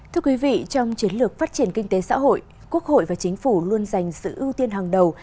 thưa quý vị trong chiến lược phát triển kinh tế xã hội quốc hội và chính phủ luôn dành sự ưu tiên hàng đầu